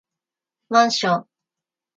マンション